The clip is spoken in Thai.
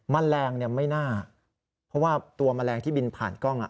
แมลงไม่น่าเพราะว่าตัวแมลงที่บินผ่านกล้อง